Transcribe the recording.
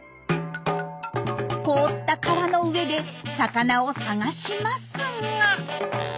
凍った川の上で魚を探しますが。